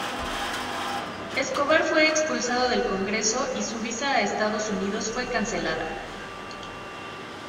Escobar fue expulsado del Congreso y su visa a Estados Unidos fue cancelada.